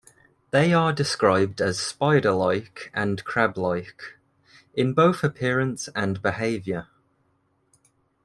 They are described as "spider-like" and "crab-like", in both appearance and behavior.